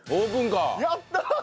やった！